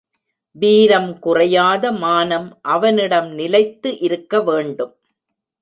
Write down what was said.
வீரம் குறையாத மானம் அவனிடம் நிலைத்து இருக்க வேண்டும்.